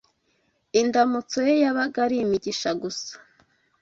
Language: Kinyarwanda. indamutso ye yabaga ari imigisha gusa